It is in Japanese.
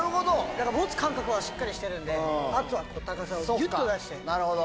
だから持つ感覚はしっかりしてるんで、あとは高さをぎゅっとなるほど。